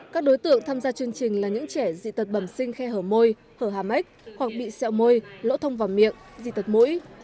các đối tượng tham gia chương trình là những trẻ dị tật bẩm sinh khe hở môi hở hàm ếch hoặc bị xẹo môi lỗ thông vàng miệng dị tật mũi